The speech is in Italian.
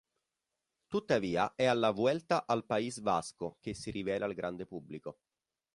Tuttavia è alla Vuelta al País Vasco che si rivela al grande pubblico.